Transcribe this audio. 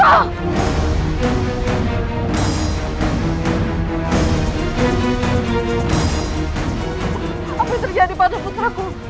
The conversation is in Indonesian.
apa terjadi pada putraku